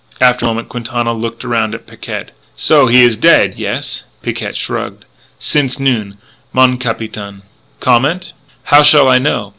After a moment Quintana looked around at Picquet: "So. He is dead. Yes?" Picquet shrugged: "Since noon, mon capitaine." "Comment?" "How shall I know?